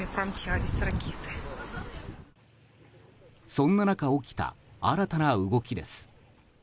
そんな中、起きた新たな動きです。